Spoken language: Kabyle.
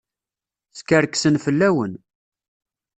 Skerksen fell-awen.